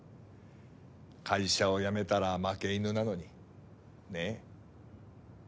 会社を辞めたら負け犬なのにねぇ？